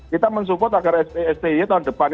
kita mensupport agar sti tahun depan